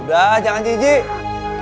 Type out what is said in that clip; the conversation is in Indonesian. udah jangan jijik